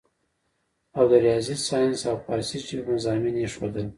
او د رياضي سائنس او فارسي ژبې مضامين ئې ښودل